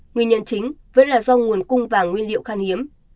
nguyên nhân chính vẫn là do nguồn cung vàng nguyên liệu khan hiếm